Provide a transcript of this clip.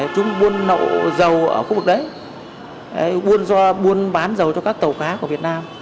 chúng buôn lậu dầu ở khu vực đấy buôn bán dầu cho các tàu cá của việt nam